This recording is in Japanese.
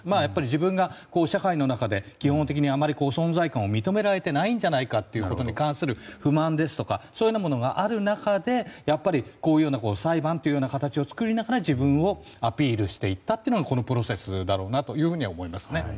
自分が社会の中で基本的にあまり存在感を認められていないんじゃないかということに対する不満などがある中で裁判という形を作って自分をアピールしていったというのがこのプロセスだろうなと思います。